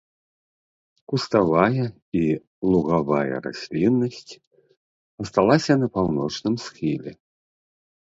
Куставая і лугавая расліннасць асталася на паўночным схіле.